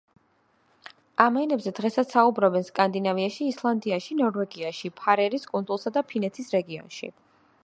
ამ ენებზე დღესაც საუბრობენ სკანდინავიაში, ისლანდიაში, ნორვეგიაში, ფარერის კუნძულსა და ფინეთის რეგიონში.